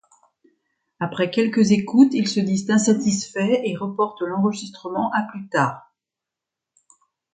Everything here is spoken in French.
Après quelques écoutes, ils se disent insatisfaits et reportent l'enregistrement à plus tard.